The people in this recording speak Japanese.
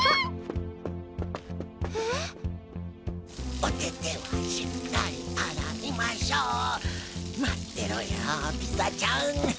おててはしっかり洗いましょう待ってろよピザちゃん！